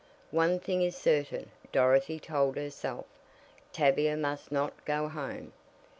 "One thing is certain," Dorothy told herself. "Tavia must not go home.